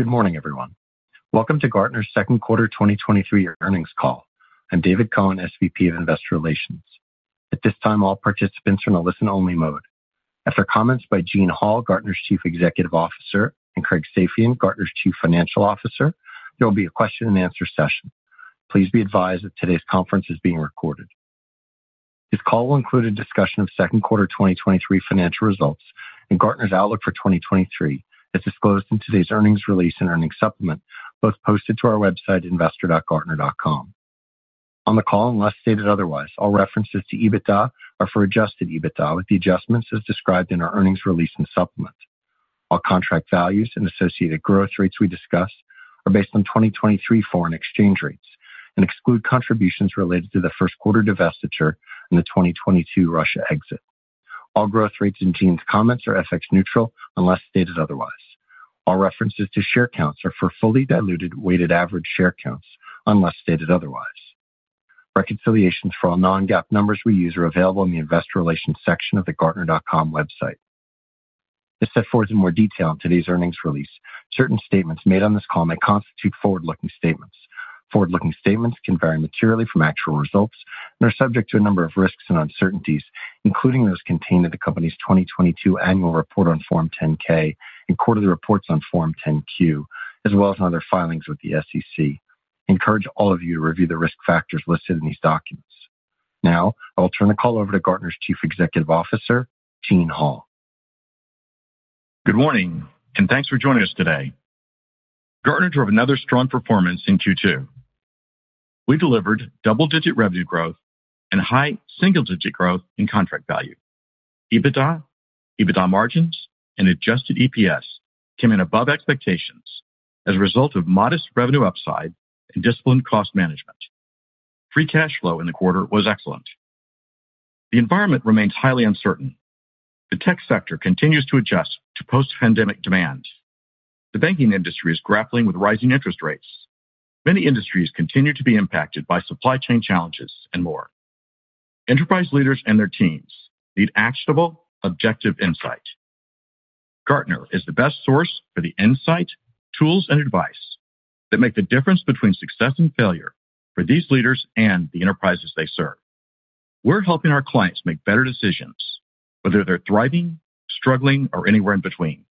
Good morning, everyone. Welcome to Gartner's Second Quarter 2023 Earnings Call. I'm David Cohen, SVP of Investor Relations. At this time, all participants are in a listen-only mode. After comments by Gene Hall, Gartner's Chief Executive Officer, and Craig Safian, Gartner's Chief Financial Officer, there will be a question-and-answer session. Please be advised that today's conference is being recorded. This call will include a discussion of second quarter 2023 financial results and Gartner's outlook for 2023, as disclosed in today's earnings release and earnings supplement, both posted to our website, investor.gartner.com. On the call, unless stated otherwise, all references to EBITDA are for adjusted EBITDA, with the adjustments as described in our earnings release and supplement. All contract values and associated growth rates we discuss are based on 2023 foreign exchange rates and exclude contributions related to the first quarter divestiture and the 2022 Russia exit. All growth rates in Gene's comments are FX neutral, unless stated otherwise. All references to share counts are for fully diluted weighted average share counts, unless stated otherwise. Reconciliations for all non-GAAP numbers we use are available in the Investor Relations section of the gartner.com website. As set forth in more detail in today's earnings release, certain statements made on this call may constitute forward-looking statements. Forward-looking statements can vary materially from actual results and are subject to a number of risks and uncertainties, including those contained in the company's 2022 annual report on Form 10-K and quarterly reports on Form 10-Q, as well as in other filings with the SEC. I encourage all of you to review the risk factors listed in these documents. Now, I will turn the call over to Gartner's Chief Executive Officer, Gene Hall. Good morning, thanks for joining us today. Gartner drove another strong performance in Q2. We delivered double-digit revenue growth and high single-digit growth in contract value. EBITDA, EBITDA margins and Adjusted EPS came in above expectations as a result of modest revenue upside and disciplined cost management. Free cash flow in the quarter was excellent. The environment remains highly uncertain. The tech sector continues to adjust to post-pandemic demand. The banking industry is grappling with rising interest rates. Many industries continue to be impacted by supply chain challenges and more. Enterprise leaders and their teams need actionable, objective insight. Gartner is the best source for the insight, tools and advice that make the difference between success and failure for these leaders and the enterprises they serve. We're helping our clients make better decisions, whether they're thriving, struggling, or anywhere in between.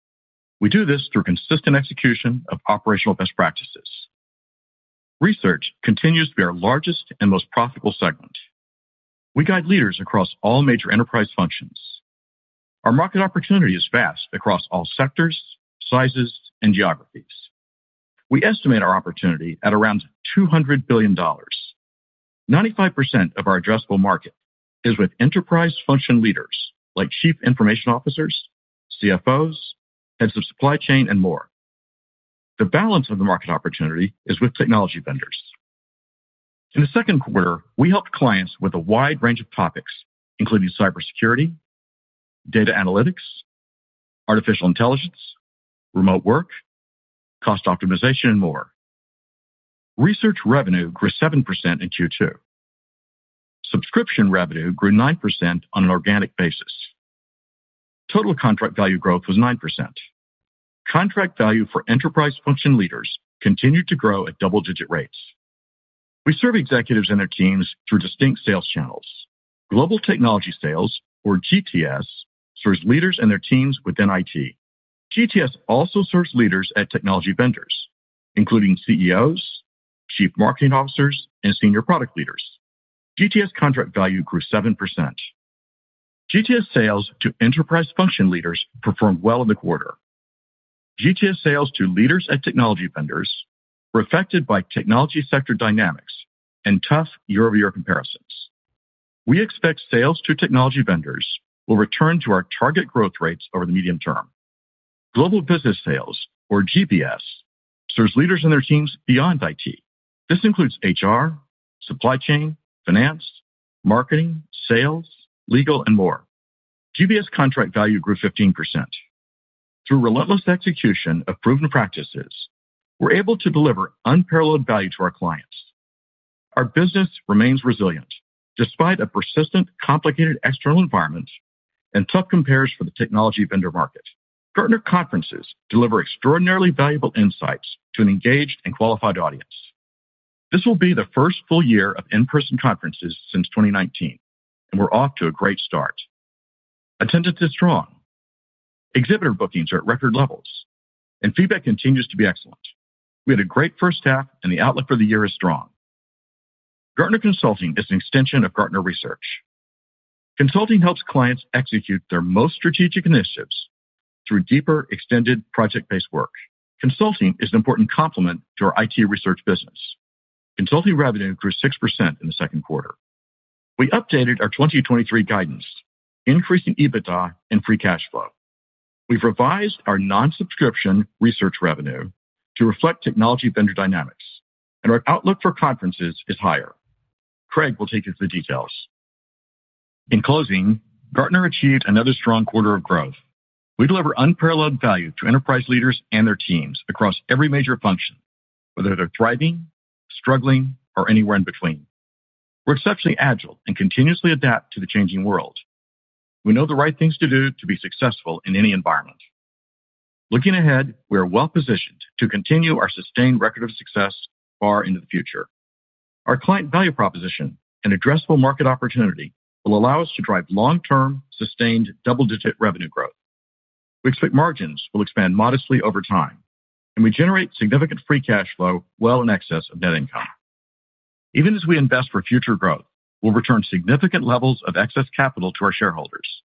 We do this through consistent execution of operational best practices. Research continues to be our largest and most profitable segment. We guide leaders across all major enterprise functions. Our market opportunity is vast across all sectors, sizes, and geographies. We estimate our opportunity at around $200 billion. 95% of our addressable market is with enterprise function leaders, like chief information officers, CFOs, heads of supply chain, and more. The balance of the market opportunity is with technology vendors. In the second quarter, we helped clients with a wide range of topics, including cybersecurity, data analytics, artificial intelligence, remote work, cost optimization, and more. Research revenue grew 7% in Q2. Subscription revenue grew 9% on an organic basis. Total contract value growth was 9%. Contract value for enterprise function leaders continued to grow at double-digit rates. We serve executives and their teams through distinct sales channels. Global technology sales, or GTS, serves leaders and their teams within IT. GTS also serves leaders at technology vendors, including CEOs, chief marketing officers, and senior product leaders. GTS contract value grew 7%. GTS sales to enterprise function leaders performed well in the quarter. GTS sales to leaders at technology vendors were affected by technology sector dynamics and tough year-over-year comparisons. We expect sales to technology vendors will return to our target growth rates over the medium term. Global Business Sales, or GBS, serves leaders and their teams beyond IT. This includes HR, supply chain, finance, marketing, sales, legal and more. GBS contract value grew 15%. Through relentless execution of proven practices, we're able to deliver unparalleled value to our clients. Our business remains resilient despite a persistent, complicated external environment and tough compares for the technology vendor market. Gartner conferences deliver extraordinarily valuable insights to an engaged and qualified audience. This will be the first full year of in-person conferences since 2019. We're off to a great start. Attendance is strong, exhibitor bookings are at record levels, and feedback continues to be excellent. We had a great first half and the outlook for the year is strong. Gartner Consulting is an extension of Gartner Research. Consulting helps clients execute their most strategic initiatives through deeper, extended project-based work. Consulting is an important complement to our IT research business. Consulting revenue grew 6% in the second quarter. We updated our 2023 guidance, increasing EBITDA and free cash flow. We've revised our non-subscription research revenue to reflect technology vendor dynamics, and our outlook for conferences is higher. Craig will take you through the details. In closing, Gartner achieved another strong quarter of growth. We deliver unparalleled value to enterprise leaders and their teams across every major function, whether they're thriving, struggling, or anywhere in between.... We're exceptionally agile and continuously adapt to the changing world. We know the right things to do to be successful in any environment. Looking ahead, we are well-positioned to continue our sustained record of success far into the future. Our client value proposition and addressable market opportunity will allow us to drive long-term, sustained double-digit revenue growth. We expect margins will expand modestly over time, and we generate significant free cash flow well in excess of net income. Even as we invest for future growth, we'll return significant levels of excess capital to our shareholders.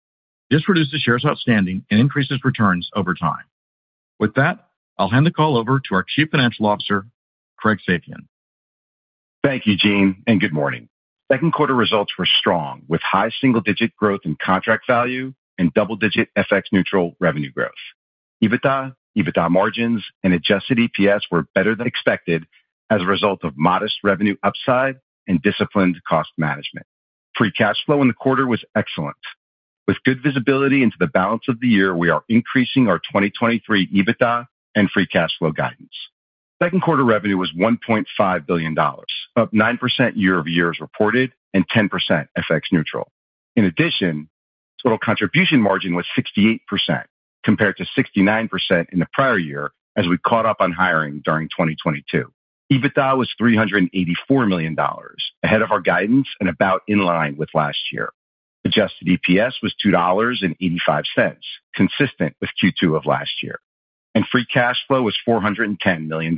This reduces shares outstanding and increases returns over time. With that, I'll hand the call over to our Chief Financial Officer, Craig Safian. Thank you, Gene, and good morning. Second quarter results were strong, with high single-digit growth in contract value and double-digit FX neutral revenue growth. EBITDA, EBITDA margins, and Adjusted EPS were better than expected as a result of modest revenue upside and disciplined cost management. Free cash flow in the quarter was excellent. With good visibility into the balance of the year, we are increasing our 2023 EBITDA and free cash flow guidance. Second quarter revenue was $1.5 billion, up 9% year-over-year as reported, and 10% FX neutral. In addition, total contribution margin was 68%, compared to 69% in the prior year, as we caught up on hiring during 2022. EBITDA was $384 million, ahead of our guidance and about in line with last year. Adjusted EPS was $2.85, consistent with Q2 of last year, and free cash flow was $410 million.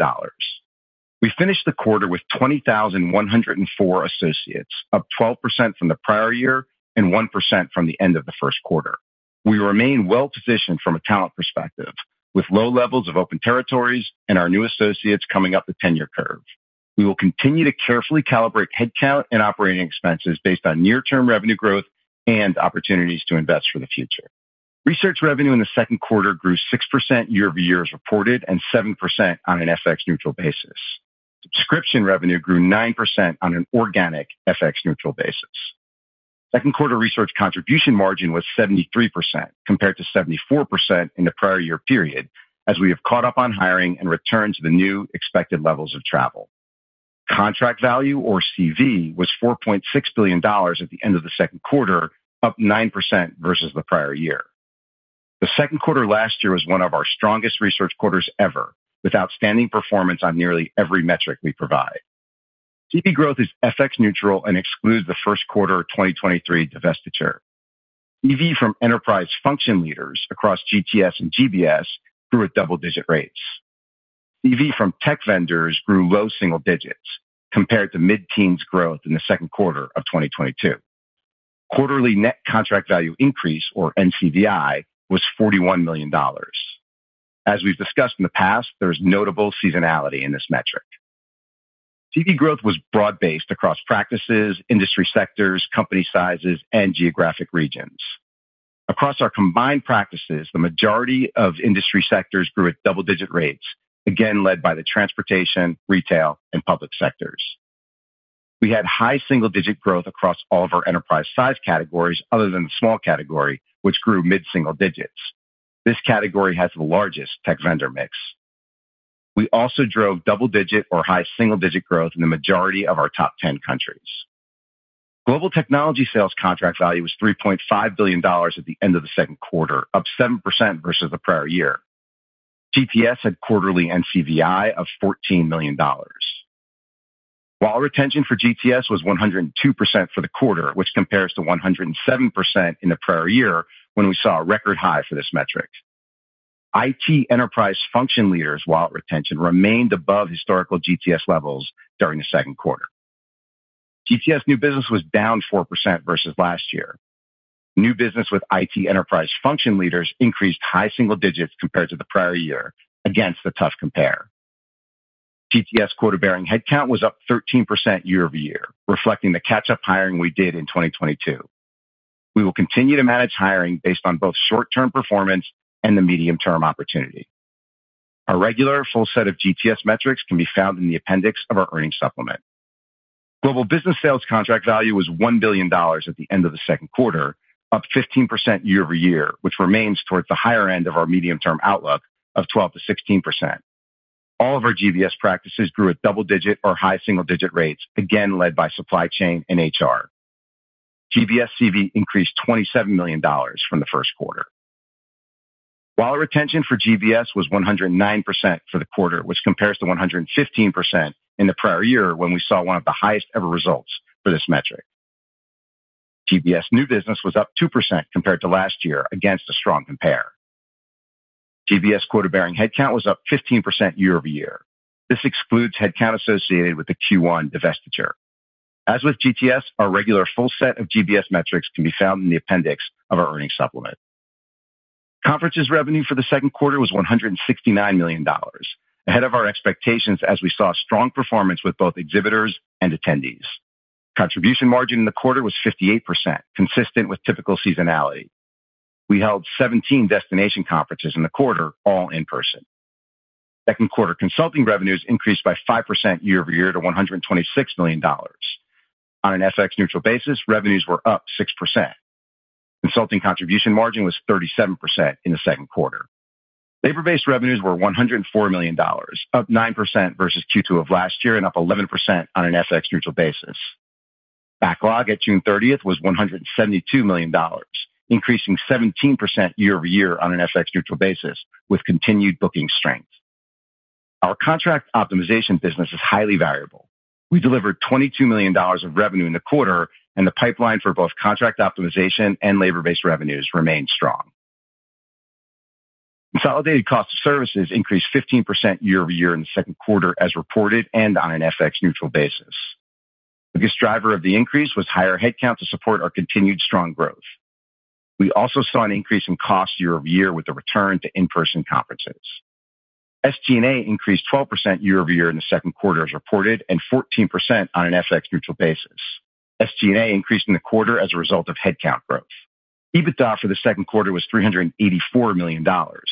We finished the quarter with 20,104 associates, up 12% from the prior year and 1% from the end of the first quarter. We remain well-positioned from a talent perspective, with low levels of open territories and our new associates coming up the tenure curve. We will continue to carefully calibrate headcount and operating expenses based on near-term revenue growth and opportunities to invest for the future. Research revenue in the second quarter grew 6% year-over-year as reported, and 7% on an FX neutral basis. Subscription revenue grew 9% on an organic FX neutral basis. Second quarter research contribution margin was 73%, compared to 74% in the prior year period, as we have caught up on hiring and returned to the new expected levels of travel. Contract value, or CV, was $4.6 billion at the end of the second quarter, up 9% versus the prior year. The second quarter last year was one of our strongest research quarters ever, with outstanding performance on nearly every metric we provide. CV growth is FX neutral and excludes the first quarter 2023 divestiture. EV from enterprise function leaders across GTS and GBS grew at double-digit rates. EV from tech vendors grew low single digits, compared to mid-teens growth in the second quarter of 2022. Quarterly net contract value increase, or NCVI, was $41 million. As we've discussed in the past, there is notable seasonality in this metric. CV growth was broad-based across practices, industry sectors, company sizes, and geographic regions. Across our combined practices, the majority of industry sectors grew at double-digit rates, again led by the transportation, retail, and public sectors. We had high single-digit growth across all of our enterprise size categories other than the small category, which grew mid-single digits. This category has the largest tech vendor mix. We also drove double-digit or high single-digit growth in the majority of our top 10 countries. Global technology sales contract value was $3.5 billion at the end of the second quarter, up 7% versus the prior year. GTS had quarterly NCVI of $14 million. Wallet retention for GTS was 102% for the quarter, which compares to 107% in the prior year, when we saw a record high for this metric. IT enterprise function leaders' wallet retention remained above historical GTS levels during the second quarter. GTS new business was down 4% versus last year. New business with IT enterprise function leaders increased high single digits compared to the prior year against a tough compare. GTS quota-bearing headcount was up 13% year-over-year, reflecting the catch-up hiring we did in 2022. We will continue to manage hiring based on both short-term performance and the medium-term opportunity. Our regular full set of GTS metrics can be found in the appendix of our earnings supplement. Global Business Sales contract value was $1 billion at the end of the second quarter, up 15% year-over-year, which remains towards the higher end of our medium-term outlook of 12%-16%. All of our GBS practices grew at double-digit or high single-digit rates, again led by supply chain and HR. GBS CV increased $27 million from the first quarter. Wallet retention for GBS was 109% for the quarter, which compares to 115% in the prior year, when we saw one of the highest ever results for this metric. GBS new business was up 2% compared to last year against a strong compare. GBS quota-bearing headcount was up 15% year-over-year. This excludes headcount associated with the Q1 divestiture. As with GTS, our regular full set of GBS metrics can be found in the appendix of our earnings supplement. Conferences revenue for the second quarter was $169 million, ahead of our expectations as we saw strong performance with both exhibitors and attendees. Contribution margin in the quarter was 58%, consistent with typical seasonality. We held 17 destination conferences in the quarter, all in person. Second quarter consulting revenues increased by 5% year-over-year to $126 million. On an FX neutral basis, revenues were up 6%. consulting contribution margin was 37% in the second quarter. Labor-based revenues were $104 million, up 9% versus 2Q of last year, and up 11% on an FX neutral basis. Backlog at June 30th was $172 million, increasing 17% year-over-year on an FX neutral basis, with continued booking strength. Our contract optimization business is highly variable. We delivered $22 million of revenue in the quarter, and the pipeline for both contract optimization and labor-based revenues remained strong. Consolidated cost of services increased 15% year-over-year in the second quarter, as reported and on an FX neutral basis. The biggest driver of the increase was higher headcount to support our continued strong growth. We also saw an increase in costs year-over-year with the return to in-person conferences. SG&A increased 12% year-over-year in the second quarter as reported, and 14% on an FX neutral basis. SG&A increased in the quarter as a result of headcount growth. EBITDA for the second quarter was $384 million,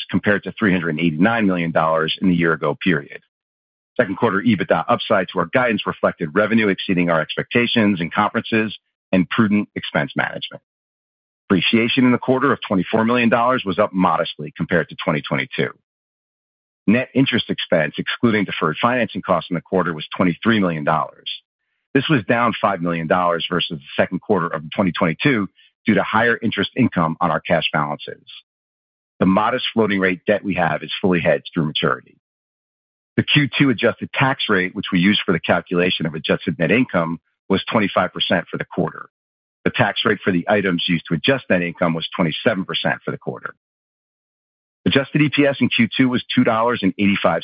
compared to $389 million in the year ago period. Second quarter EBITDA upside to our guidance reflected revenue exceeding our expectations in conferences and prudent expense management. Depreciation in the quarter of $24 million was up modestly compared to 2022. Net interest expense, excluding deferred financing costs in the quarter, was $23 million. This was down $5 million versus the second quarter of 2022 due to higher interest income on our cash balances. The modest floating rate debt we have is fully hedged through maturity. The Q2 adjusted tax rate, which we use for the calculation of adjusted net income, was 25% for the quarter. The tax rate for the items used to adjust net income was 27% for the quarter. Adjusted EPS in Q2 was $2.85,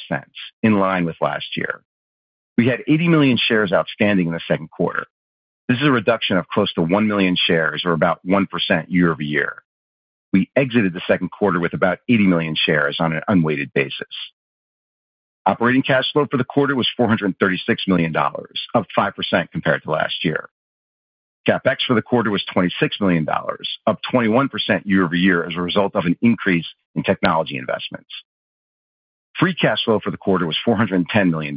in line with last year. We had 80 million shares outstanding in the second quarter. This is a reduction of close to 1 million shares, or about 1% year over year. We exited the second quarter with about 80 million shares on an unweighted basis. Operating cash flow for the quarter was $436 million, up 5% compared to last year. CapEx for the quarter was $26 million, up 21% year-over-year as a result of an increase in technology investments. Free cash flow for the quarter was $410 million.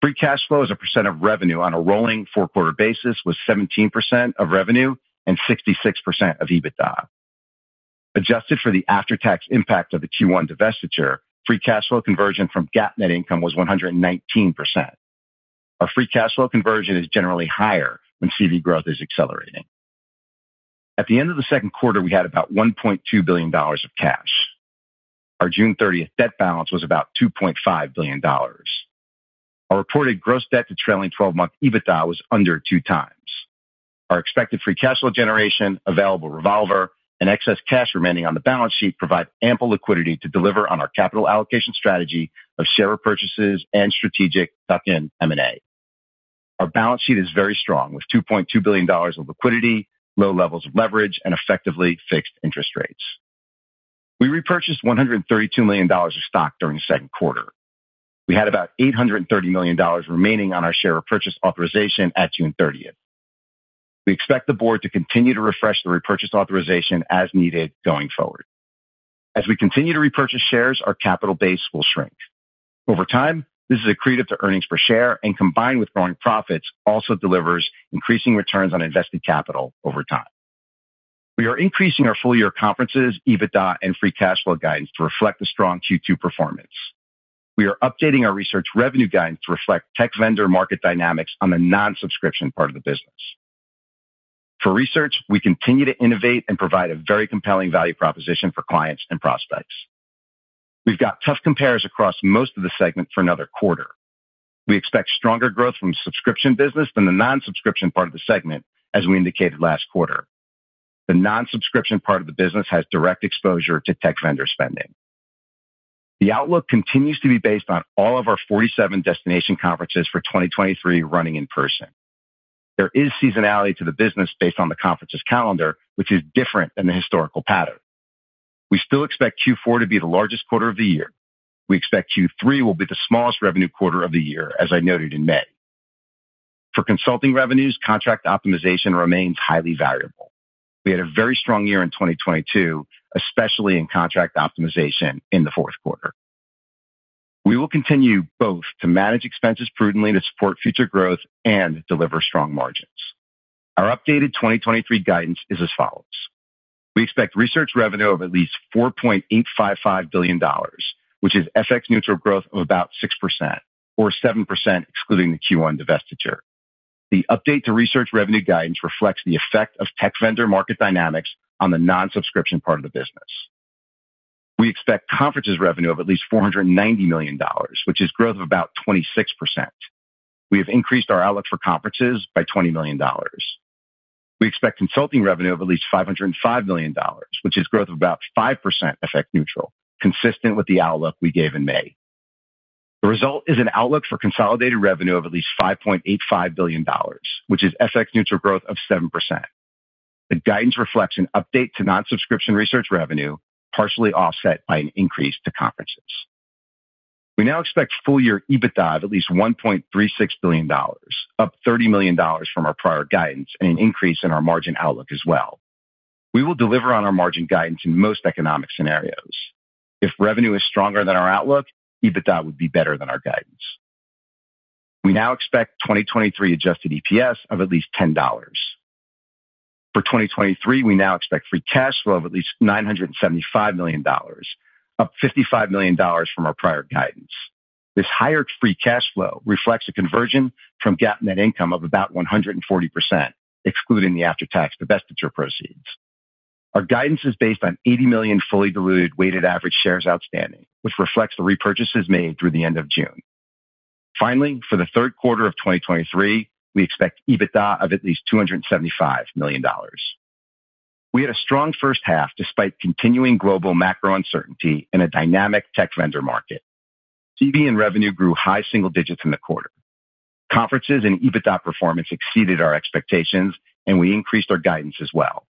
Free cash flow as a percent of revenue on a rolling four-quarter basis was 17% of revenue and 66% of EBITDA. Adjusted for the after-tax impact of the Q1 divestiture, free cash flow conversion from GAAP net income was 119%. Our free cash flow conversion is generally higher when CV growth is accelerating. At the end of the second quarter, we had about $1.2 billion of cash. Our June 30th debt balance was about $2.5 billion. Our reported gross debt to trailing 12 month EBITDA was under 2x. Our expected free cash flow generation, available revolver, and excess cash remaining on the balance sheet provide ample liquidity to deliver on our capital allocation strategy of share repurchases and strategic tuck-in M&A. Our balance sheet is very strong, with $2.2 billion of liquidity, low levels of leverage, and effectively fixed interest rates. We repurchased $132 million of stock during the second quarter. We had about $830 million remaining on our share repurchase authorization at June 30th. We expect the board to continue to refresh the repurchase authorization as needed going forward. As we continue to repurchase shares, our capital base will shrink. Over time, this is accretive to earnings per share, and combined with growing profits, also delivers increasing returns on invested capital over time. We are increasing our full-year conferences, EBITDA, and free cash flow guidance to reflect the strong Q2 performance. We are updating our research revenue guidance to reflect tech vendor market dynamics on the non-subscription part of the business. For research, we continue to innovate and provide a very compelling value proposition for clients and prospects. We've got tough compares across most of the segment for another quarter. We expect stronger growth from the subscription business than the non-subscription part of the segment, as we indicated last quarter. The non-subscription part of the business has direct exposure to tech vendor spending. The outlook continues to be based on all of our 47 destination conferences for 2023 running in person. There is seasonality to the business based on the conferences calendar, which is different than the historical pattern. We still expect Q4 to be the largest quarter of the year. We expect Q3 will be the smallest revenue quarter of the year, as I noted in May. For consulting revenues, contract optimization remains highly variable. We had a very strong year in 2022, especially in contract optimization in the fourth quarter. We will continue both to manage expenses prudently to support future growth and deliver strong margins. Our updated 2023 guidance is as follows: We expect research revenue of at least $4.855 billion, which is FX neutral growth of about 6%, or 7% excluding the Q1 divestiture. The update to research revenue guidance reflects the effect of tech vendor market dynamics on the non-subscription part of the business. We expect conferences revenue of at least $490 million, which is growth of about 26%. We have increased our outlook for conferences by $20 million. We expect consulting revenue of at least $505 million, which is growth of about 5% FX neutral, consistent with the outlook we gave in May. The result is an outlook for consolidated revenue of at least $5.85 billion, which is FX neutral growth of 7%. The guidance reflects an update to non-subscription research revenue, partially offset by an increase to conferences. We now expect full year EBITDA of at least $1.36 billion, up $30 million from our prior guidance, and an increase in our margin outlook as well. We will deliver on our margin guidance in most economic scenarios. If revenue is stronger than our outlook, EBITDA would be better than our guidance. We now expect 2023 Adjusted EPS of at least $10. For 2023, we now expect free cash flow of at least $975 million, up $55 million from our prior guidance. This higher free cash flow reflects a conversion from GAAP net income of about 140%, excluding the after-tax divestiture proceeds. Our guidance is based on 80 million fully diluted weighted average shares outstanding, which reflects the repurchases made through the end of June. Finally, for the third quarter of 2023, we expect EBITDA of at least $275 million. We had a strong first half, despite continuing global macro uncertainty and a dynamic tech vendor market. CV and revenue grew high single digits in the quarter. Conferences and EBITDA performance exceeded our expectations, and we increased our guidance as well.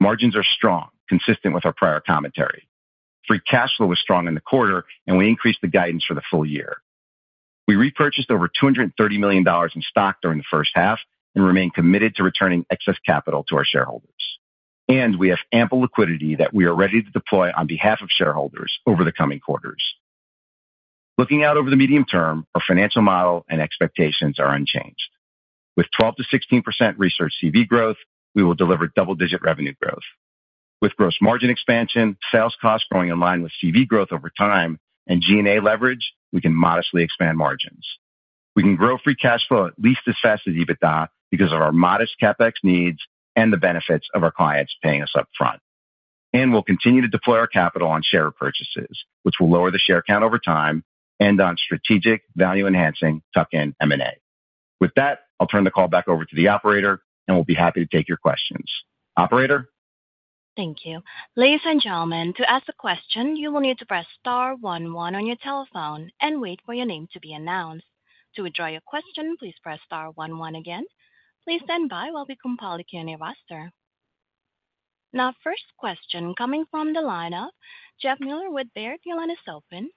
Margins are strong, consistent with our prior commentary. Free cash flow was strong in the quarter. We increased the guidance for the full year. We repurchased over $230 million in stock during the first half and remain committed to returning excess capital to our shareholders, and we have ample liquidity that we are ready to deploy on behalf of shareholders over the coming quarters. Looking out over the medium term, our financial model and expectations are unchanged. With 12%-16% research CV growth, we will deliver double-digit revenue growth. With gross margin expansion, sales costs growing in line with CV growth over time and G&A leverage, we can modestly expand margins. We can grow free cash flow at least as fast as EBITDA because of our modest CapEx needs and the benefits of our clients paying us upfront. We'll continue to deploy our capital on share repurchases, which will lower the share count over time and on strategic value-enhancing tuck-in M&A. With that, I'll turn the call back over to the operator, and we'll be happy to take your questions. Operator? Thank you. Ladies, and gentlemen, to ask a question, you will need to press star one one on your telephone and wait for your name to be announced. To withdraw your question, please press star one one again. Please stand by while we compile the Q&A roster. Now, first question coming from the line of Jeff Meuler with Baird. Your line is open.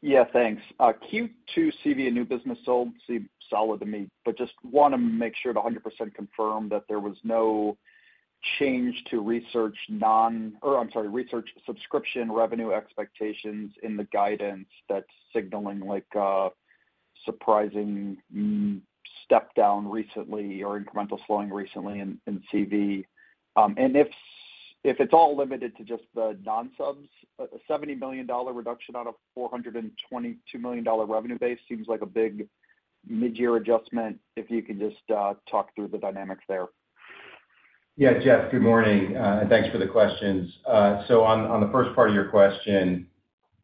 Yeah, thanks. Q2 CV and new business sold seem solid to me, just want to make sure to 100% confirm that there was no change to research non- or I'm sorry, research subscription revenue expectations in the guidance that's signaling, like, a surprising step down recently or incremental slowing recently in, in CV. If it's all limited to just the non-subs, a $70 million reduction out of $422 million revenue base seems like a big mid-year adjustment, if you could just talk through the dynamics there. Yeah, Jeff, good morning, and thanks for the questions. On, on the first part of your question,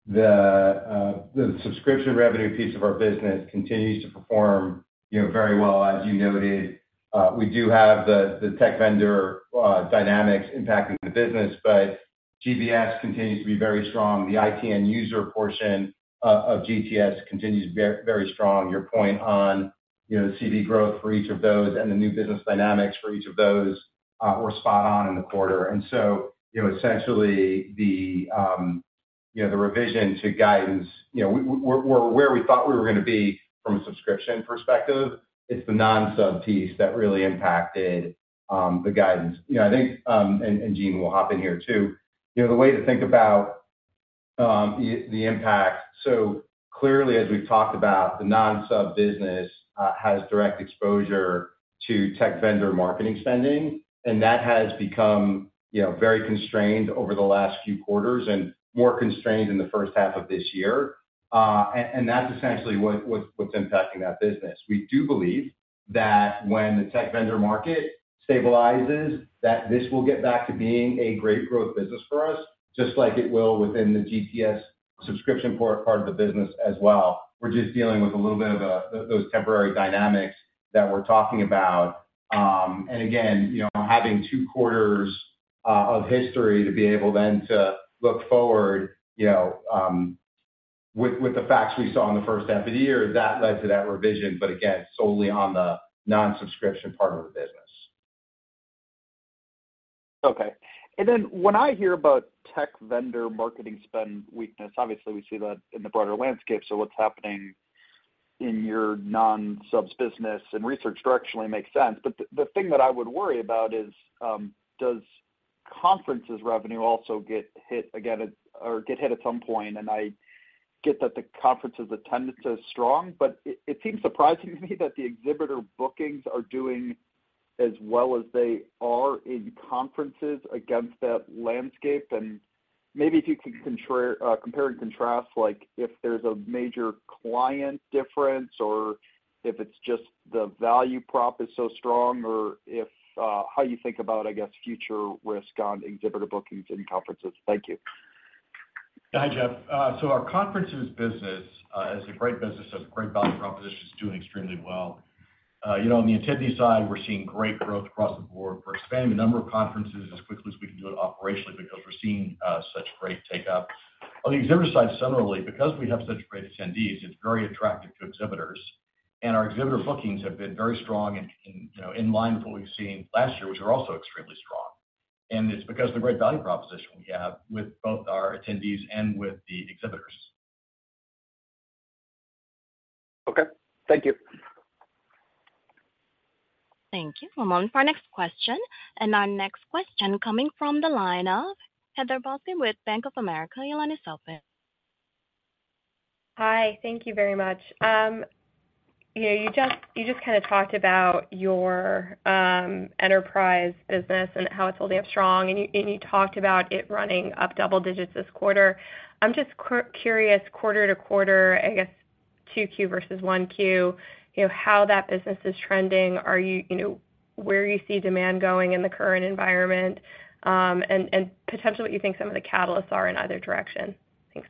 the subscription revenue piece of our business continues to perform, you know, very well. As you noted, we do have the tech vendor dynamics impacting the business, but GBS continues to be very strong. The IT end user portion of GTS continues to be very, very strong. Your point on, you know, the CV growth for each of those and the new business dynamics for each of those were spot on in the quarter. You know, essentially, the, you know, the revision to guidance, you know, we're, we're where we thought we were gonna be from a subscription perspective. It's the non-sub piece that really impacted the guidance. You know, I think, and, and Gene will hop in here, too. You know, the way to think about, the, the impact, so clearly, as we've talked about, the non-sub business, has direct exposure to tech vendor marketing spending, and that has become, you know, very constrained over the last few quarters and more constrained in the first half of this year. That's essentially what, what's, what's impacting that business. We do believe that when the tech vendor market stabilizes, that this will get back to being a great growth business for us, just like it will within the GTS subscription part, part of the business as well. We're just dealing with a little bit of, those temporary dynamics that we're talking about. Again, you know, having two quarters of history to be able then to look forward, you know, with, with the facts we saw in the first half of the year, that led to that revision, but again, solely on the non-subscription part of the business. Okay. When I hear about tech vendor marketing spend weakness, obviously we see that in the broader landscape, so what's happening in your non-subs business and research directionally makes sense. The thing that I would worry about is, does conferences revenue also get hit again at, or get hit at some point? I get that the conferences attendance is strong, but it, it seems surprising to me that the exhibitor bookings are doing as well as they are in conferences against that landscape. Maybe if you could compare and contrast, like, if there's a major client difference or if it's just the value prop is so strong, or if, how you think about, I guess, future risk on exhibitor bookings in conferences. Thank you. Hi, Jeff. Our conferences business is a great business, a great value proposition. It's doing extremely well. You know, on the attendee side, we're seeing great growth across the board. We're expanding the number of conferences as quickly as we can do it operationally because we're seeing such great takeup. On the exhibitor side, similarly, because we have such great attendees, it's very attractive to exhibitors, and our exhibitor bookings have been very strong and, and, you know, in line with what we've seen last year, which are also extremely strong. It's because of the great value proposition we have with both our attendees and with the exhibitors. Okay. Thank you. ... Thank you. We'll move on to our next question. Our next question coming from the line of Heather Balsky, Bank of America. Your line is open. Hi, thank you very much. You know, you just, you just kind of talked about your enterprise business and how it's holding up strong, and you, and you talked about it running up double digits this quarter. I'm just cur-curious, quarter-to-quarter, I guess, 2Q versus 1Q, you know, how that business is trending. Are you, you know, where you see demand going in the current environment, and, and potentially what you think some of the catalysts are in either direction? Thanks.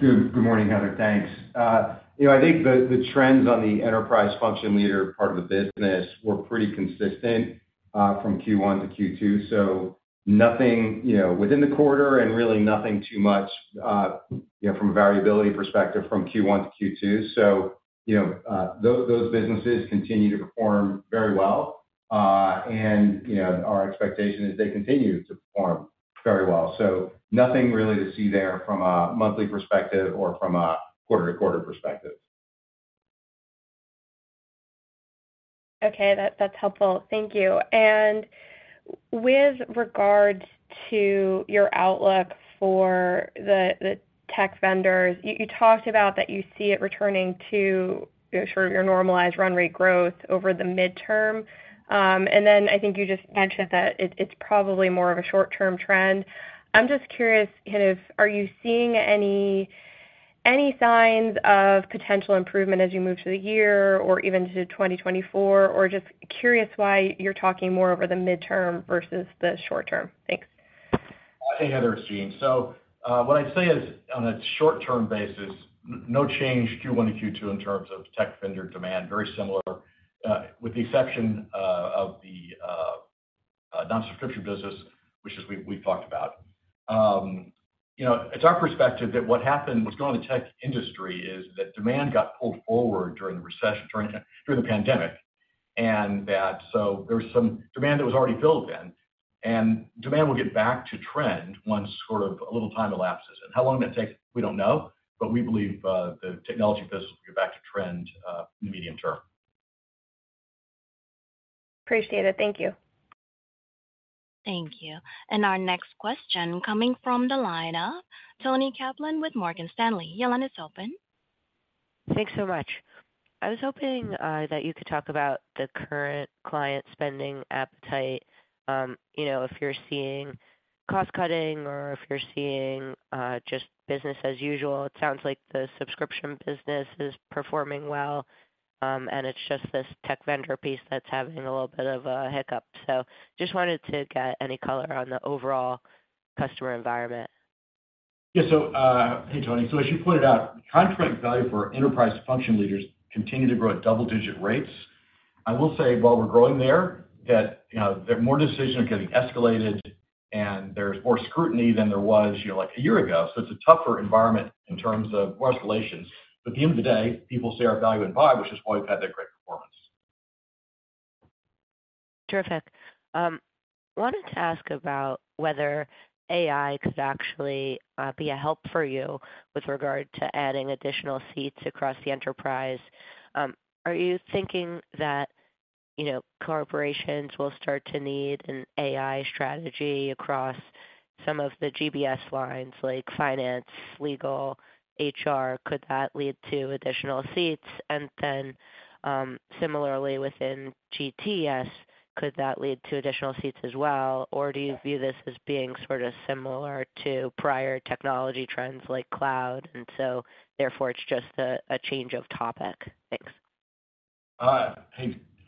Good, good morning, Heather. Thanks. You know, I think the, the trends on the enterprise function leader part of the business were pretty consistent, from Q1-Q2, so nothing, you know, within the quarter and really nothing too much, you know, from a variability perspective, from Q1 to Q2. You know, those businesses continue to perform very well. You know, our expectation is they continue to perform very well. Nothing really to see there from a monthly perspective or from a quarter-to-quarter perspective. Okay, that, that's helpful. Thank you. With regards to your outlook for the, the tech vendors, you, you talked about that you see it returning to sort of your normalized run rate growth over the midterm. Then I think you just mentioned that it, it's probably more of a short-term trend. I'm just curious, kind of, are you seeing any, any signs of potential improvement as you move through the year or even to 2024? Just curious why you're talking more over the midterm versus the short term. Thanks. Hey, Heather, it's Gene. What I'd say is, on a short-term basis, no change Q1-Q2 in terms of tech vendor demand, very similar, with the exception of the non-subscription business, which is we, we've talked about. You know, it's our perspective that what happened was going on in the tech industry is that demand got pulled forward during the recession, during the, during the pandemic, and that so there was some demand that was already built in, and demand will get back to trend once sort of a little time elapses. How long that takes, we don't know, but we believe the technology business will get back to trend in the medium term. Appreciate it. Thank you. Thank you. Our next question coming from the line of Toni Kaplan with Morgan Stanley. Your line is open. Thanks so much. I was hoping that you could talk about the current client spending appetite, you know, if you're seeing cost cutting or if you're seeing just business as usual. It sounds like the subscription business is performing well, and it's just this tech vendor piece that's having a little bit of a hiccup. Just wanted to get any color on the overall customer environment. Yeah. Hey, Toni. As you pointed out, contract value for enterprise function leaders continue to grow at double-digit rates. I will say, while we're growing there, that, you know, there are more decisions getting escalated, and there's more scrutiny than there was, you know, like, a year ago. It's a tougher environment in terms of more escalations. At the end of the day, people see our value and buy, which is why we've had that great performance. Terrific. Wanted to ask about whether AI could actually be a help for you with regard to adding additional seats across the enterprise. Are you thinking that, you know, corporations will start to need an AI strategy across some of the GBS lines, like finance, legal, HR? Could that lead to additional seats? Similarly within GTS, could that lead to additional seats as well, or do you view this as being sort of similar to prior technology trends like cloud, and so therefore it's just a change of topic? Thanks. I,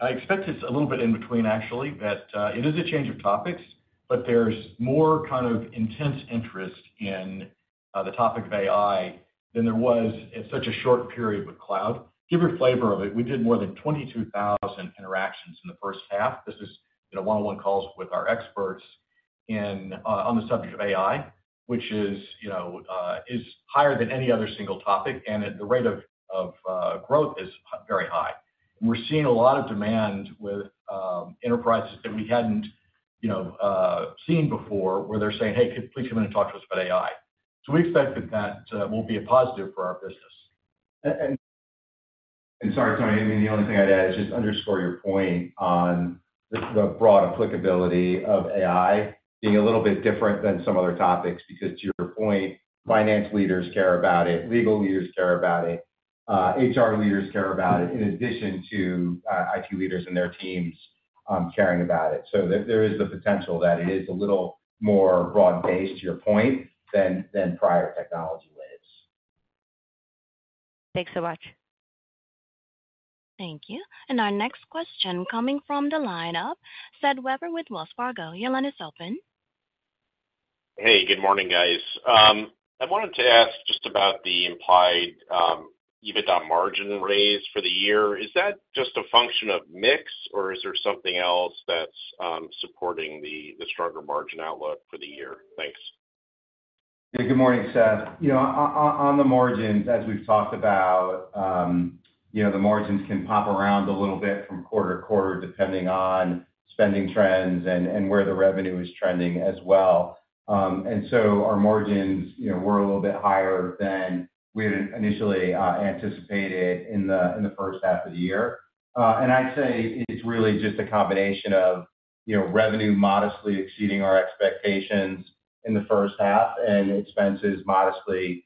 I expect it's a little bit in between, actually, that it is a change of topics, but there's more kind of intense interest in the topic of AI than there was in such a short period with cloud. To give you a flavor of it, we did more than 22,000 interactions in the first half. This is, you know, one-on-one calls with our experts in on the subject of AI, which is, you know, is higher than any other single topic, and the rate of, of growth is very high. We're seeing a lot of demand with enterprises that we hadn't, you know, seen before, where they're saying, "Hey, could you please come in and talk to us about AI?" We expect that that will be a positive for our business. Sorry, Toni, the only thing I'd add is just underscore your point on the broad applicability of AI being a little bit different than some other topics, because to your point, finance leaders care about it, legal leaders care about it, HR leaders care about it, in addition to IT leaders and their teams caring about it. There, there is the potential that it is a little more broad-based, to your point, than prior technology waves. Thanks so much. Thank you. Our next question coming from the line of Seth Weber with Wells Fargo. Your line is open. Hey, good morning, guys. I wanted to ask just about the implied EBITDA margin raise for the year. Is that just a function of mix, or is there something else that's supporting the stronger margin outlook for the year? Thanks. Good morning, Seth. You know, on the margins, as we've talked about, you know, the margins can pop around a little bit from quarter-to-quarter, depending on spending trends and, and where the revenue is trending as well. Our margins, you know, were a little bit higher than we had initially anticipated in the first half of the year. I'd say it's really just a combination of you know, revenue modestly exceeding our expectations in the first half, and expenses modestly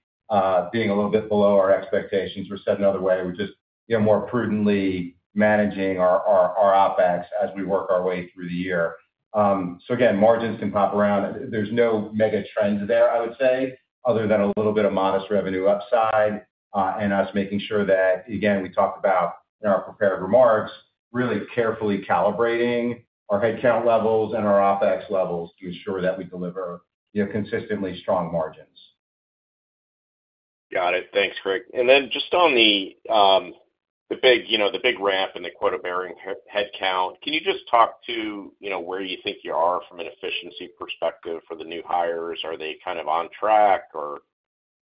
being a little bit below our expectations. Said another way, we're just, you know, more prudently managing our, our, our OpEx as we work our way through the year. Again, margins can pop around. There's no mega trends there, I would say, other than a little bit of modest revenue upside, and us making sure that, again, we talked about in our prepared remarks, really carefully calibrating our headcount levels and our OpEx levels to ensure that we deliver, you know, consistently strong margins. Got it. Thanks, Craig. Then just on the, the big, you know, the big ramp in the quota-bearing headcount, can you just talk to, you know, where you think you are from an efficiency perspective for the new hires? Are they kind of on track or,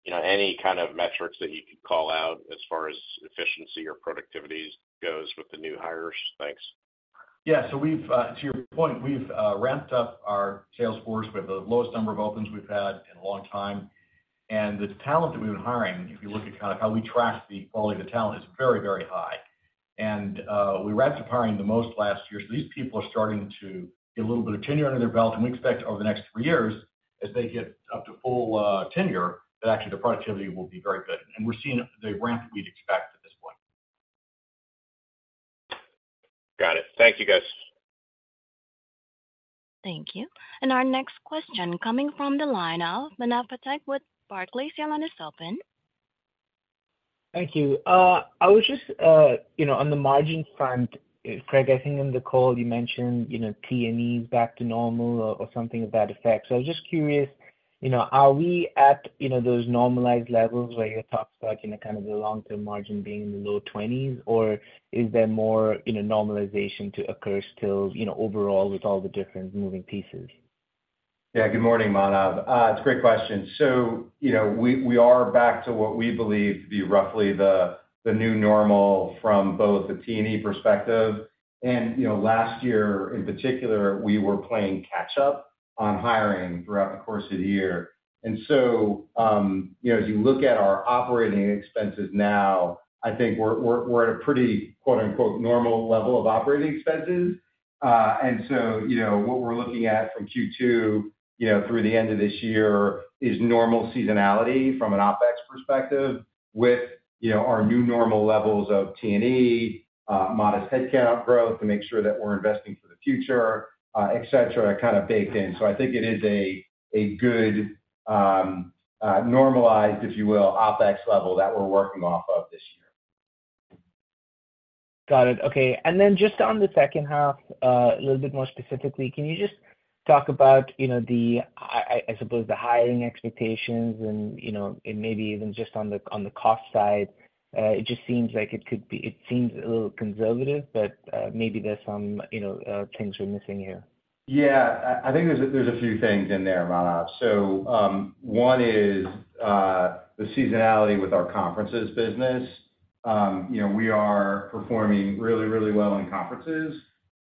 you know, any kind of metrics that you could call out as far as efficiency or productivity goes with the new hires? Thanks. Yeah. We've, to your point, we've, ramped up our sales force. We have the lowest number of opens we've had in a long time. The talent that we've been hiring, if you look at kind of how we track the quality of the talent, is very, very high. We ramped up hiring the most last year, so these people are starting to get a little bit of tenure under their belt. We expect over the next three years, as they get up to full, tenure, that actually the productivity will be very good. We're seeing the ramp we'd expect at this point. Got it. Thank you, guys. Thank you. Our next question coming from the line of Manav Patnaik with Barclays. Your line is open. Thank you. I was just, you know, on the margin front, Craig, I think in the call you mentioned, you know, T&E is back to normal or, or something to that effect. I was just curious, you know, are we at, you know, those normalized levels where you talk about, you know, kind of the long-term margin being in the low 20s? Or is there more, you know, normalization to occur still, you know, overall with all the different moving pieces? Yeah, good morning, Manav. It's a great question. You know, we, we are back to what we believe to be roughly the, the new normal from both a T&E perspective. You know, last year in particular, we were playing catch up on hiring throughout the course of the year. You know, as you look at our operating expenses now, I think we're, we're, we're at a pretty quote, unquote, "normal level of operating expenses." You know, what we're looking at from Q2, you know, through the end of this year is normal seasonality from an OpEx perspective, with, you know, our new normal levels of T&E, modest headcount growth to make sure that we're investing for the future, et cetera, kind of, baked in. I think it is a, a good, normalized, if you will, OpEx level that we're working off of this year. Got it. Okay. Then just on the second half, a little bit more specifically, can you just talk about, you know, the, I, I suppose, the hiring expectations and, you know, and maybe even just on the, on the cost side? It just seems like it could be, it seems a little conservative, but, maybe there's some, you know, things we're missing here. Yeah. I, I think there's a, there's a few things in there, Manav. One is the seasonality with our conferences business. You know, we are performing really, really well in conferences,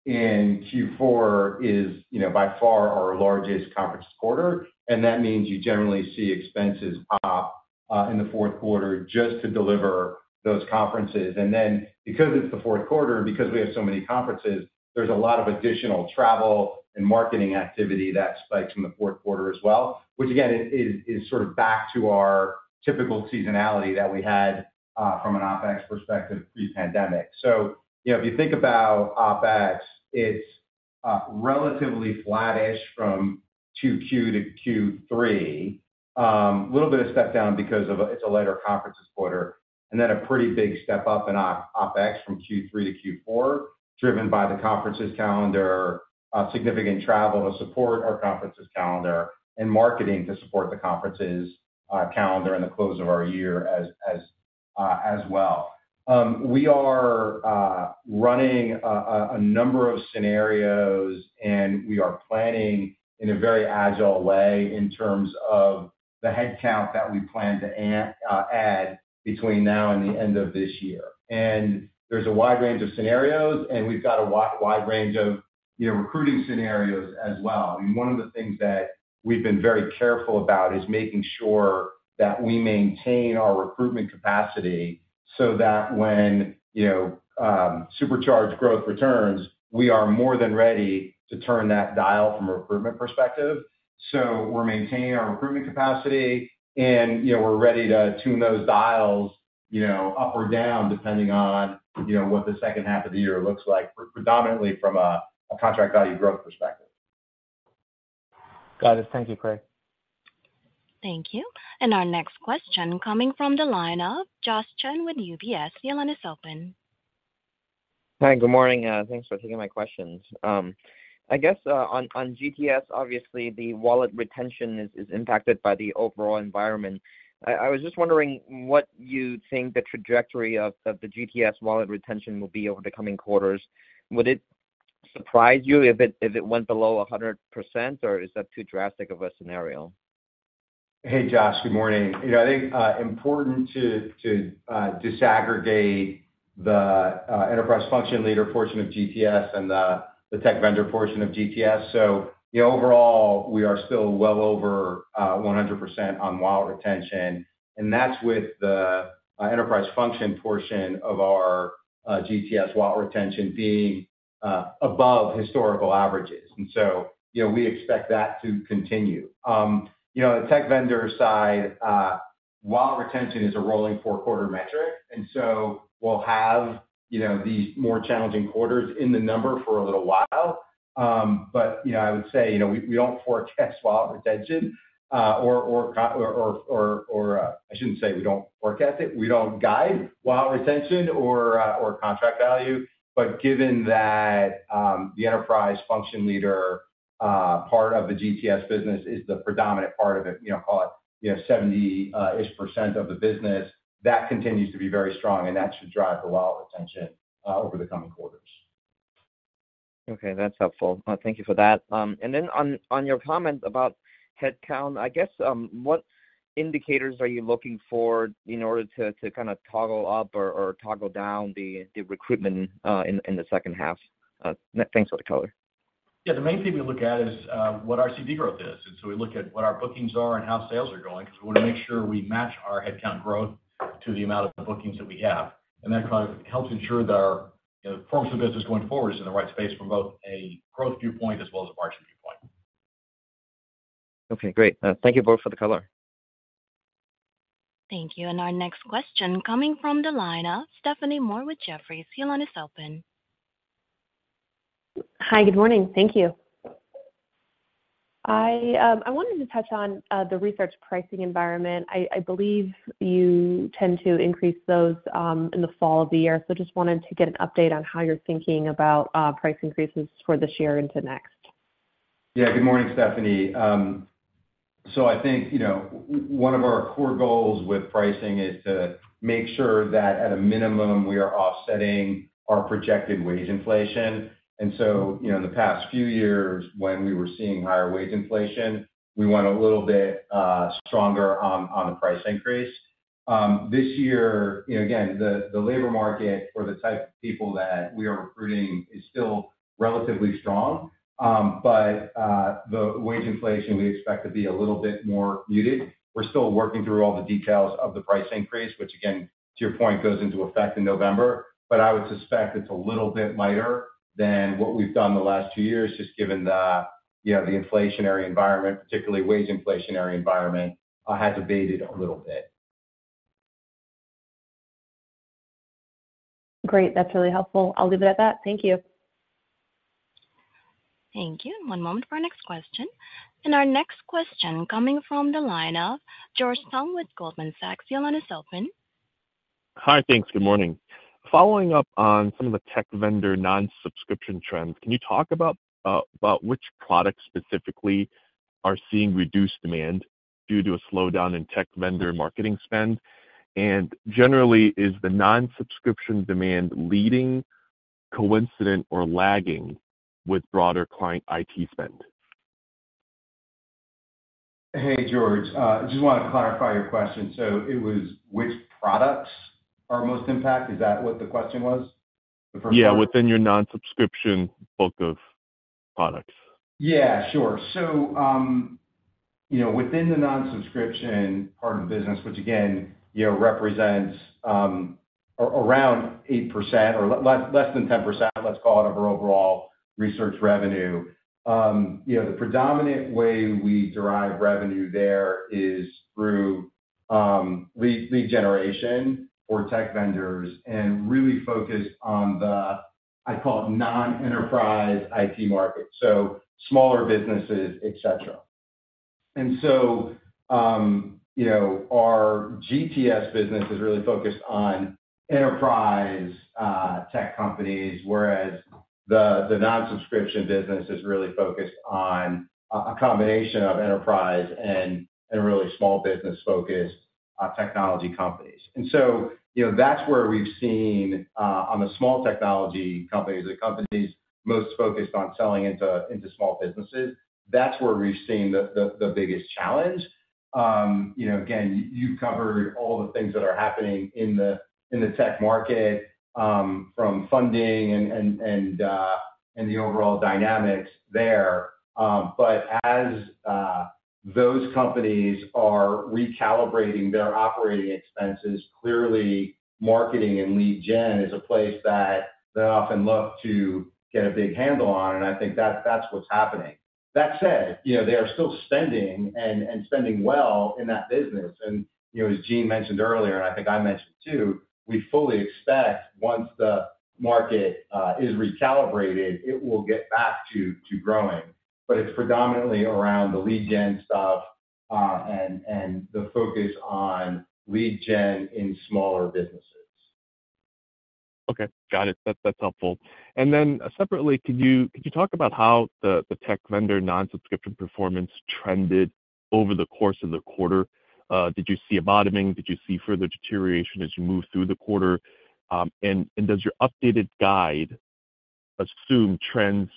Q4 is, you know, by far our largest conferences quarter, and that means you generally see expenses pop in the fourth quarter just to deliver those conferences. Because it's the fourth quarter and because we have so many conferences, there's a lot of additional travel and marketing activity that spikes in the fourth quarter as well, which again, is, is, sort of, back to our typical seasonality that we had from an OpEx perspective pre-pandemic. You know, if you think about OpEx, it's relatively flattish from 2Q-Q3. Little bit of step down because of it's a lighter conferences quarter. A pretty big step up in OpEx from Q3-Q4, driven by the conferences calendar, significant travel to support our conferences calendar, and marketing to support the conferences calendar and the close of our year as, as well. We are running a number of scenarios, and we are planning in a very agile way in terms of the headcount that we plan to add between now and the end of this year. There's a wide range of scenarios, and we've got a wide range of, you know, recruiting scenarios as well. I mean, one of the things that we've been very careful about is making sure that we maintain our recruitment capacity, so that when, you know, supercharged growth returns, we are more than ready to turn that dial from a recruitment perspective. We're maintaining our recruitment capacity and, you know, we're ready to tune those dials, you know, up or down, depending on, you know, what the second half of the year looks like, predominantly from a, a contract value growth perspective. Got it. Thank you, Craig. Thank you. Our next question coming from the line of Josh Chan with UBS. Your line is open. Hi, good morning, thanks for taking my questions. I guess on GTS, obviously the wallet retention is impacted by the overall environment. I was just wondering what you think the trajectory of the GTS wallet retention will be over the coming quarters. Would it surprise you if it went below 100%, or is that too drastic of a scenario? Hey, Josh, good morning. You know, I think important to, to disaggregate the enterprise function leader portion of GTS and the, the tech vendor portion of GTS. You know, overall, we are still well over 100% on wallet retention, and that's with the enterprise function portion of our GTS wallet retention being above historical averages. You know, we expect that to continue. You know, the tech vendor side, while retention is a rolling four-quarter metric, and so we'll have, you know, these more challenging quarters in the number for a little while. You know, I would say, you know, we, we don't forecast wallet retention. I shouldn't say we don't forecast it. We don't guide wallet retention or contract value. Given that, the enterprise function leader, part of the GTS business is the predominant part of it, you know, call it, you know, 70% ish of the business, that continues to be very strong, and that should drive the wallet retention over the coming quarters. Okay, that's helpful. Thank you for that. Then on, on your comment about headcount, I guess, what indicators are you looking for in order to, to kinda toggle up or, or toggle down the, the recruitment in, in the second half? Thanks for the color. Yeah, the main thing we look at is what our CD growth is. So we look at what our bookings are and how sales are going, because we want to make sure we match our headcount growth to the amount of bookings that we have. That kind of helps ensure that our, you know, forms of business going forward is in the right space from both a growth viewpoint as well as a margin viewpoint. Okay, great. Thank you both for the color. Thank you. Our next question coming from the line of Stephanie Moore with Jefferies. Your line is open. Hi, good morning. Thank you. I, I wanted to touch on the research pricing environment. I, I believe you tend to increase those in the fall of the year. Just wanted to get an update on how you're thinking about price increases for this year into next. Yeah, good morning, Stephanie. I think, you know, one of our core goals with pricing is to make sure that at a minimum, we are offsetting our projected wage inflation. You know, in the past few years, when we were seeing higher wage inflation, we went a little bit stronger on, on the price increase. This year, you know, again, the, the labor market for the type of people that we are recruiting is still relatively strong. The wage inflation, we expect to be a little bit more muted. We're still working through all the details of the price increase, which, again, to your point, goes into effect in November. I would suspect it's a little bit lighter than what we've done in the last two years, just given the, you know, the inflationary environment, particularly wage inflationary environment, has abated a little bit. Great. That's really helpful. I'll leave it at that. Thank you. Thank you. One moment for our next question. Our next question coming from the line of George Tong with Goldman Sachs. Your line is open. Hi, thanks. Good morning. Following up on some of the tech vendor non-subscription trends, can you talk about which products specifically are seeing reduced demand due to a slowdown in tech vendor marketing spend? Generally, is the non-subscription demand leading, coincident, or lagging with broader client IT spend? Hey, George, I just want to clarify your question. So it was which products are most impacted? Is that what the question was? Yeah, within your non-subscription book of products. Yeah, sure. You know, within the non-subscription part of the business, which, again, you know, represents, around 8% or less than 10%, let's call it, of our overall research revenue. You know, the predominant way we derive revenue there is through, lead generation for tech vendors and really focused on the, I call it, non-enterprise IT market, so smaller businesses, et cetera. You know, our GTS business is really focused on enterprise, tech companies, whereas the, the non-subscription business is really focused on a, a combination of enterprise and, and really small business-focused, technology companies. You know, that's where we've seen, on the small technology companies, the companies most focused on selling into small businesses. That's where we've seen the biggest challenge. You know, again, you've covered all the things that are happening in the, in the tech market, from funding and, and, and, and the overall dynamics there. As those companies are recalibrating their operating expenses, clearly marketing and lead gen is a place that they often look to get a big handle on, and I think that's, that's what's happening. That said, you know, they are still spending and, and spending well in that business. You know, as Gene mentioned earlier, and I think I mentioned, too, we fully expect once the market is recalibrated, it will get back to, to growing. It's predominantly around the lead gen stuff, and, and the focus on lead gen in smaller businesses. Okay, got it. That's, that's helpful. Then separately, could you, could you talk about how the, the tech vendor non-subscription performance trended over the course of the quarter? Did you see a bottoming? Did you see further deterioration as you moved through the quarter? Does your updated guide assume trends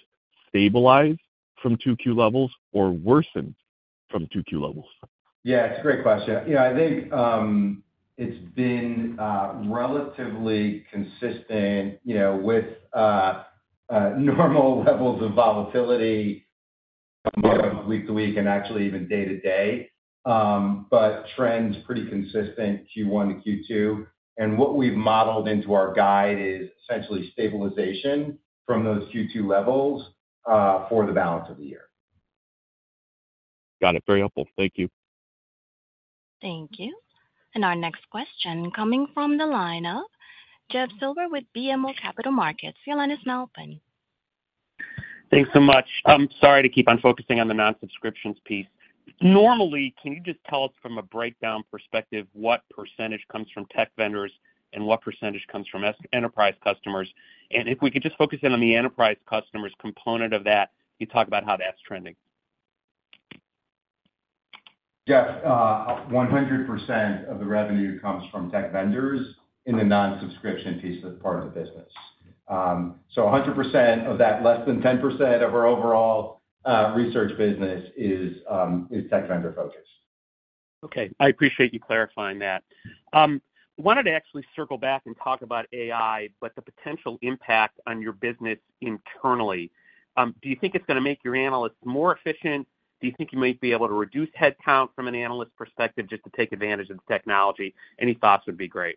stabilize from 2Q levels or worsened from 2Q levels? Yeah, it's a great question. Yeah, I think, it's been relatively consistent, you know, with normal levels of volatility-... market week to week and actually even day to day. Trends pretty consistent Q1-Q2, and what we've modeled into our guide is essentially stabilization from those Q2 levels for the balance of the year. Got it. Very helpful. Thank you. Thank you. Our next question coming from the line of Jeff Silber with BMO Capital Markets. Your line is now open. Thanks so much. I'm sorry to keep on focusing on the non-subscriptions piece. Normally, can you just tell us from a breakdown perspective, what % comes from tech vendors and what % comes from enterprise customers? If we could just focus in on the enterprise customers component of that, you talk about how that's trending. Jeff, 100% of the revenue comes from tech vendors in the non-subscription piece of the part of the business. 100% of that, less than 10% of our overall, research business is, is tech vendor focused. Okay, I appreciate you clarifying that. Wanted to actually circle back and talk about AI, the potential impact on your business internally. Do you think it's gonna make your analysts more efficient? Do you think you might be able to reduce headcount from an analyst perspective, just to take advantage of the technology? Any thoughts would be great.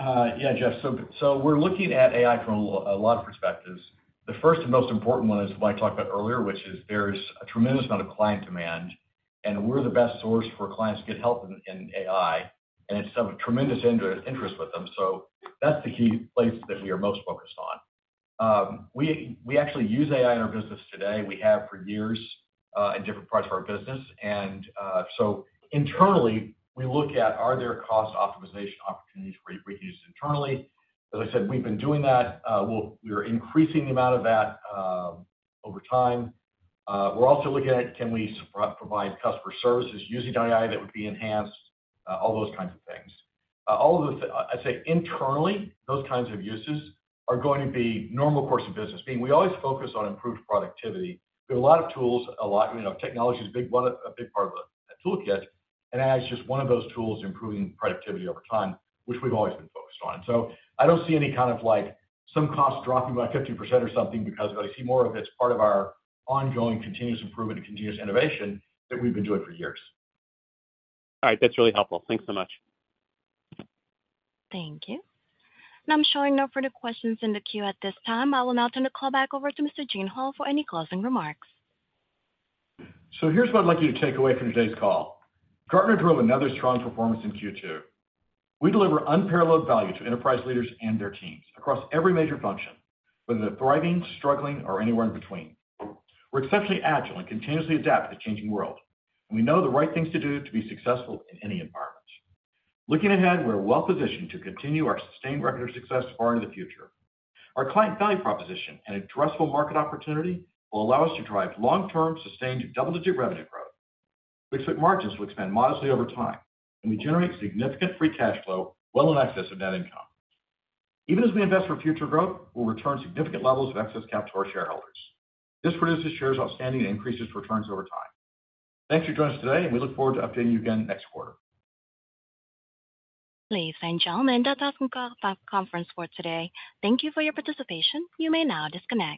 Yeah, Jeff. We're looking at AI from a lot of perspectives. The first and most important one is what I talked about earlier, which is there's a tremendous amount of client demand, and we're the best source for clients to get help in AI, and it's of tremendous interest with them. That's the key place that we are most focused on. We, we actually use AI in our business today. We have for years, in different parts of our business. Internally, we look at are there cost optimization opportunities where we use it internally? As I said, we've been doing that. We are increasing the amount of that, over time. We're also looking at can we provide customer services using AI that would be enhanced, all those kinds of things. All of I'd say internally, those kinds of uses are going to be normal course of business, being we always focus on improved productivity. There are a lot of tools, a lot, you know, technology is a big one, a big part of the toolkit, and AI is just one of those tools improving productivity over time, which we've always been focused on. I don't see any kind of like, some costs dropping by 50% or something because I see more of it's part of our ongoing continuous improvement and continuous innovation that we've been doing for years. All right, that's really helpful. Thanks so much. Thank you. Now I'm showing no further questions in the queue at this time. I will now turn the call back over to Mr. Gene Hall for any closing remarks. Here's what I'd like you to take away from today's call. Gartner drove another strong performance in Q2. We deliver unparalleled value to enterprise leaders and their teams across every major function, whether they're thriving, struggling, or anywhere in between. We're exceptionally agile and continuously adapt to the changing world. We know the right things to do to be successful in any environment. Looking ahead, we're well positioned to continue our sustained record of success far into the future. Our client value proposition and addressable market opportunity will allow us to drive long-term, sustained double-digit revenue growth. We expect margins to expand modestly over time. We generate significant free cash flow well in excess of net income. Even as we invest for future growth, we'll return significant levels of excess capital to our shareholders. This reduces shares outstanding and increases returns over time. Thanks for joining us today, and we look forward to updating you again next quarter. Ladies, and gentlemen, that concludes our conference for today. Thank you for your participation. You may now disconnect.